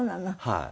はい。